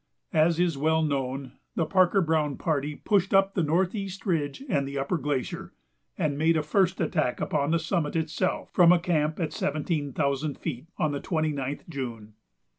As is well known, the Parker Browne party pushed up the Northeast Ridge and the upper glacier and made a first attack upon the summit itself, from a camp at seventeen thousand feet, on the 29th June.